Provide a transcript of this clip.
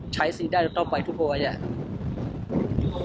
ใช้สิทธิ์ได้ต้องไปทุกประวัติศาสตร์